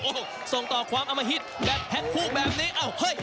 โอ้โหส่งต่อความอมหิตแบบแพ็คคู่แบบนี้อ้าวเฮ้ย